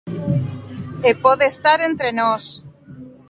E pode estar entre nós.